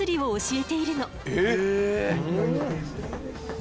え！